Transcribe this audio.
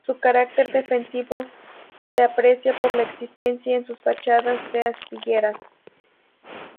Su carácter defensivo se aprecia por la existencia en sus fachadas de aspilleras.